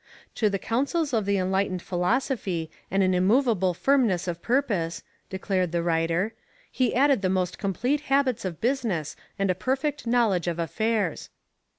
'To the counsels of an enlightened philosophy and an immovable firmness of purpose,' declared the writer, 'he added the most complete habits of business and a perfect knowledge of affairs.'